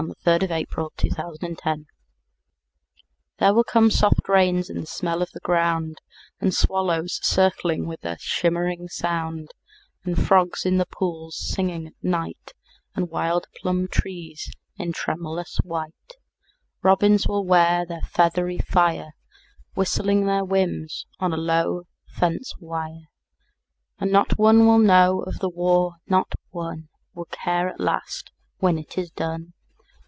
VIII "There Will Come Soft Rains" (War Time) There will come soft rains and the smell of the ground, And swallows circling with their shimmering sound; And frogs in the pools singing at night, And wild plum trees in tremulous white; Robins will wear their feathery fire Whistling their whims on a low fence wire; And not one will know of the war, not one Will care at last when it is done.